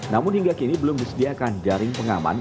namun hingga kini belum disediakan jaring pengaman